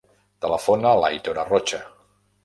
Telefona a l'Aitor Arrocha.